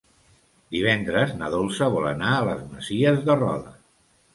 Divendres na Dolça vol anar a les Masies de Roda.